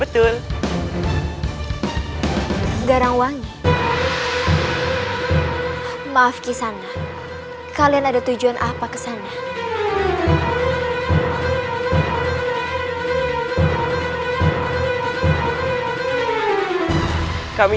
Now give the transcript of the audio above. terima kasih banyak sudah membantu kami